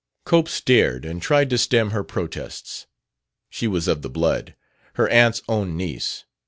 Cope stared and tried to stem her protests. She was of the blood, her aunt's own niece.